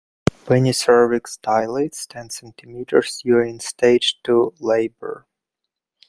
When your cervix dilates ten centimetres you are in stage two labour.